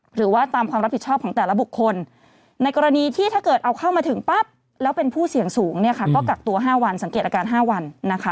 หรือว่าตามความรับผิดชอบของแต่ละบุคคล